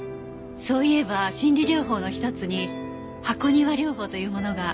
そういえば心理療法の１つに箱庭療法というものがありますね。